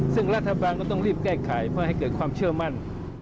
ซึ่งรัฐบาลก็ต้องรีบแก้ไขเพื่อให้เกิดความเชื่อมั่น